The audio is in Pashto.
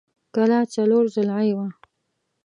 کلا څلور ضلعۍ وه.